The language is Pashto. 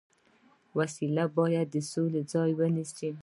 وسله باید د سولې ځای ونیسي